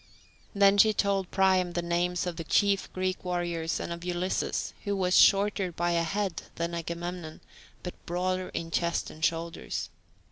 Then she told Priam the names of the chief Greek warriors, and of Ulysses, who was shorter by a head than Agamemnon, but broader in chest and shoulders.